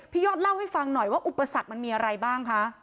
ยอดเล่าให้ฟังหน่อยว่าอุปสรรคมันมีอะไรบ้างคะ